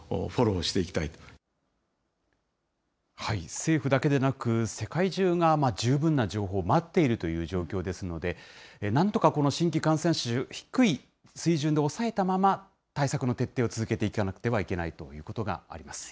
政府だけでなく、世界中が十分な情報を待っているという状況ですので、なんとかこの新規感染者、低い水準で抑えたまま、対策の徹底を続けていかなくてはいけないということがあります。